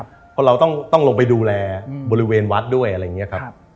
เพราะเราต้องลงไปดูแลบริเวณวัดด้วยอะไรอย่างนี้ครับ